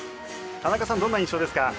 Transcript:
田中さんどんな印象ですか？